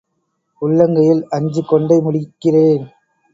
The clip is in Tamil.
உள்ளங்கையில் அஞ்சு கொண்டை முடிக்கிறேன்.